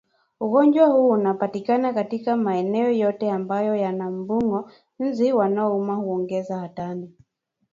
Ugonjwa huu unapatikana katika maeneo yote ambayo yana mbung'o Nzi wanaouma huongeza hatari